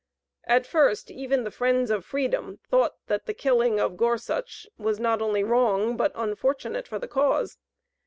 At first even the friends of freedom thought that the killing of Gorsuch was not only wrong, but unfortunate for the cause.